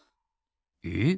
えっ？